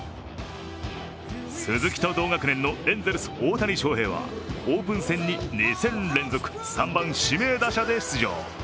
鈴木と同学年のエンゼルス・大谷翔平はオープン戦に、２戦連続３番・指名打者で出場。